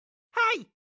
はい。